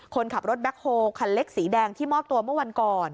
คนขับรถแบ็คโฮคันเล็กสีแดงที่มอบตัวเมื่อวันก่อน